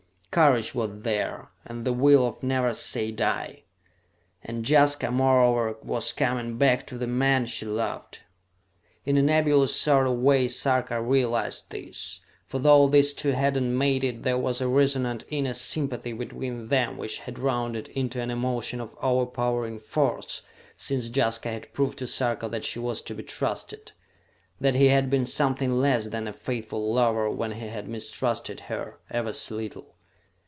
Courage was there, and the will of never say die; and Jaska, moreover, was coming back to the man she loved. In a nebulous sort of way Sarka realized this, for though these two had not mated there was a resonant inner sympathy between them which had rounded into an emotion of overpowering force since Jaska had proved to Sarka that she was to be trusted that he had been something less than a faithful lover when he had mistrusted her, ever so little.